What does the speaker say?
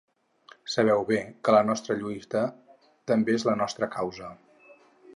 Sabeu bé que la vostra lluita també és la nostra causa.